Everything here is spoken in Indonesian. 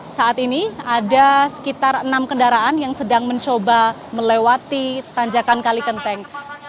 saat ini ada sekitar enam kendaraan yang sedang mencoba melewati tanjakan kalikenteng